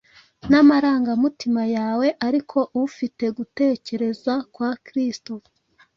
n’amarangamutima yawe, ariko ufite gutekereza kwa Kristo.